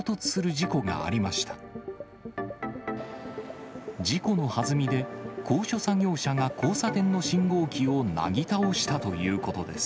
事故のはずみで、高所作業車が交差点の信号機をなぎ倒したということです。